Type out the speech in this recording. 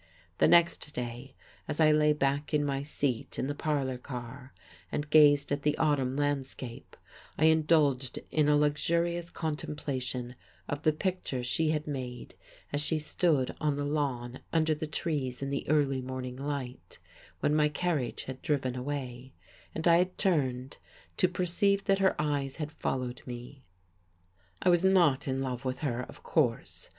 The next day, as I lay back in my seat in the parlour car and gazed at the autumn landscape, I indulged in a luxurious contemplation of the picture she had made as she stood on the lawn under the trees in the early morning light, when my carriage had driven away; and I had turned, to perceive that her eyes had followed me. I was not in love with her, of course.